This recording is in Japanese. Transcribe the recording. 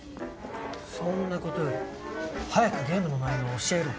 そんな事より早くゲームの内容を教えろ。